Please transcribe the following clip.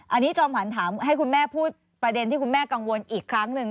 อันนี้จอมขวัญถามให้คุณแม่พูดประเด็นที่คุณแม่กังวลอีกครั้งหนึ่ง